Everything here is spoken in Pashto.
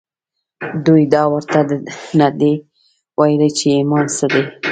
دوی دا ورته نه دي ویلي چې ایمان څه دی